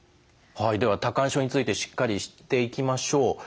では多汗症についてしっかり知っていきましょう。